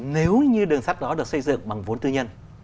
nếu như đường sắt đó được xây dựng bằng vốn tư nhân